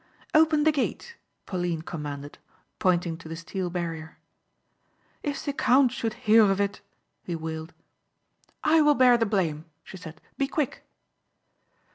"Open the gate," Pauline commanded, pointing to the steel barrier. "If the count should hear of it!" he wailed. "I will bear the blame," she said. "Be quick."